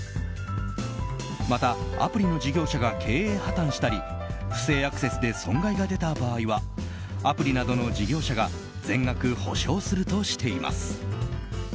またアプリの事業者が経営破綻したり不正アクセスで損害が出た場合はアプリなどの事業者が全額補償するとしています。